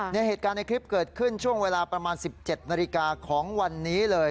เหตุการณ์ในคลิปเกิดขึ้นช่วงเวลาประมาณ๑๗นาฬิกาของวันนี้เลย